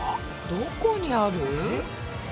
どこにある？